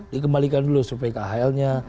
dikembalikan dulu survei khl nya